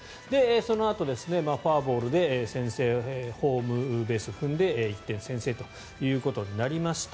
そのあとフォアボールで先制ホームベースを踏んで１点先制ということになりました。